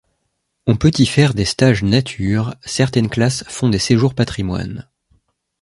On peut y faire des stages nature, certaines classes font des séjours patrimoine.